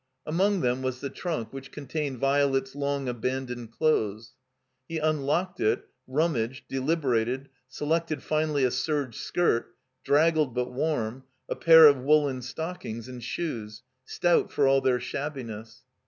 Among them was the trunk which contained Violet's long abandoned clothes. He tmlocked it, rummaged, deliberated, selected finally a serge skirt, draggled but warm; a pair of woolen stockings, and shoes, stout for all their shabbiness.